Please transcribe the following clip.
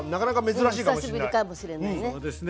久しぶりかもしれないね。